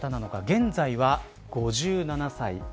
現在は５７歳。